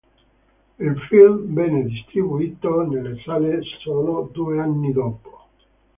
Il film venne distribuito nelle sale solo due anni dopo.